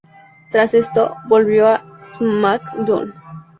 Tras esto, volvió a SmackDown.